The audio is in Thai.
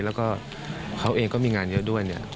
แล้วก็เขาเองก็มีงานเยอะด้วยเนี่ย